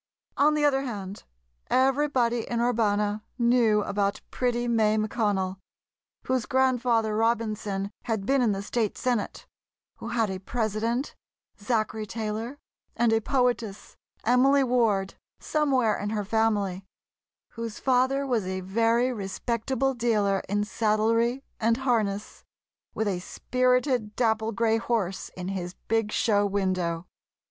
On the other hand, everybody in Urbana knew about pretty May McConnell, whose Grandfather Robinson had been in the State Senate; who had a President, Zachary Taylor, and a poetess, Emily Ward, somewhere in her family; whose father was a very respectable dealer in saddlery and harness, with a spirited dapple grey horse in his big show window.